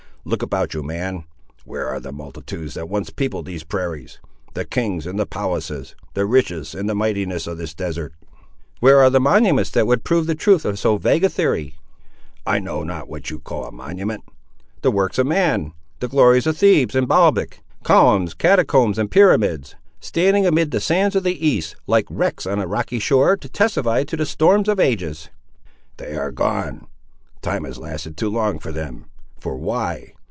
Look about you, man; where are the multitudes that once peopled these prairies; the kings and the palaces; the riches and the mightinesses of this desert?" "Where are the monuments that would prove the truth of so vague a theory?" "I know not what you call a monument." "The works of man! The glories of Thebes and Balbec—columns, catacombs, and pyramids! standing amid the sands of the East, like wrecks on a rocky shore, to testify to the storms of ages!" "They are gone. Time has lasted too long for them. For why?